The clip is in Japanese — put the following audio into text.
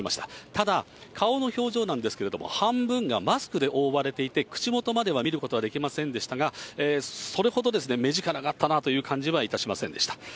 ただ、顔の表情なんですけれども、半分がマスクで覆われていて、口元までは見ることはできませんでしたが、それほど目力があったなという感じはいたしませんでした。